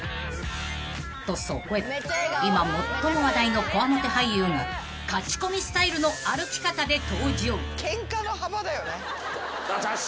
［とそこへ今最も話題のコワモテ俳優がカチコミスタイルの歩き方で登場］